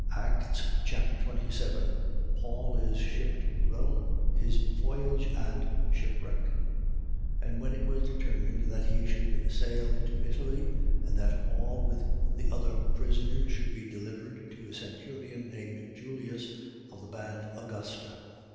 Acts Chapter 27 Paul is shipped for Rome. His voyage and shipwreck. 27:1. And when it was determined that he should sail into Italy and that Paul, with the other prisoners, should be delivered to a centurion, named Julius, of the band Augusta, 27:2.